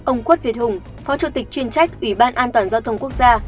ông quất việt hùng phó chủ tịch chuyên trách ủy ban an toàn giao thông quốc gia